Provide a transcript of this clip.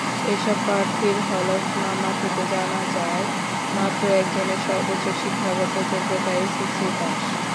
এসব প্রার্থীর হলফনামা থেকে জানা যায়, মাত্র একজনের সর্বোচ্চ শিক্ষাগত যোগ্যতা এসএসসি পাস।